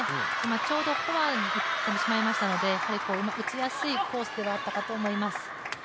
ちょうどフォアに行ってしまいましたので、打ちやすいコースではあったかと思います。